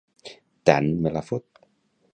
Tant me la fot.